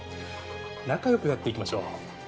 仲良くやっていきましょう。